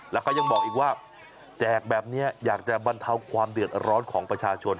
แล้วเขายังบอกอีกว่าแจกแบบนี้อยากจะบรรเทาความเดือดร้อนของประชาชน